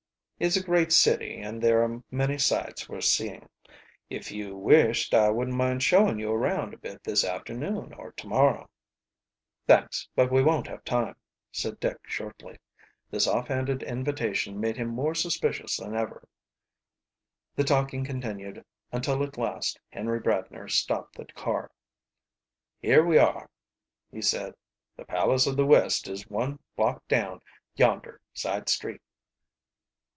"It's a great city and there are many sights worth seeing. If you wished I wouldn't mind showing you around a bit this afternoon or tomorrow." "Thanks, but we won't have time," said Dick shortly. This off handed invitation made him more suspicious than ever. The talking continued until at last Henry Bradner stopped the car. "Here we are," he said. "The Palace of the West is one block down yonder side street."